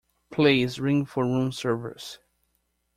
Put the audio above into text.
Please ring for room service